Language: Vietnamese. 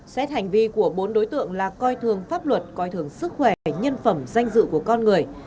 xét hành vi của bốn đối tượng là coi thường pháp luật coi thường sức khỏe nhân phẩm danh dự của con người